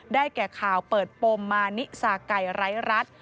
แก่ข่าวเปิดปมมานิสาไก่ไร้รัฐ